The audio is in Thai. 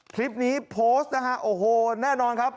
คลิปนี้โพสต์นะฮะโอ้โหแน่นอนครับ